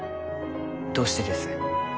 どうしてです？